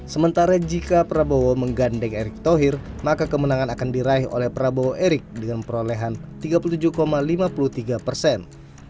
sementara jika prabowo menggandeng erick thohir maka kemenangan akan diraih oleh prabowo erik dengan perolehan tiga puluh tujuh lima puluh tiga persen